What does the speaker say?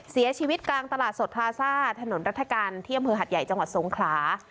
เสียชีวิตกลางตลาดสดพลาซ่าถนนรัฐกาลที่อำเภอหัดใหญ่จังหวัดสงขลา